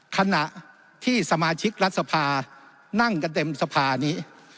ขณะที่สมาชิกรัฐสภานั่งกันเต็มสภานี้